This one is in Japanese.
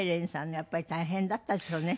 やっぱり大変だったでしょうね。